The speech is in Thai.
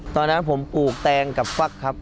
ตอนนั้นผมปลูกแตงกับฟักครับ